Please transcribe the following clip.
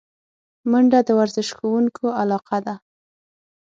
منډه د ورزش خوښونکو علاقه ده